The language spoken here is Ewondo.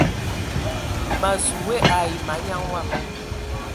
Ma zu we ai manyaŋ wama.